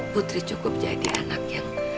putri cukup jadi anak yang